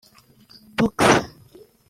Box